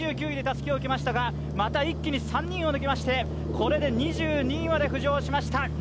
２９位でたすきを受けましたが、また一気に３人抜きまして、これで２２位まで浮上しました。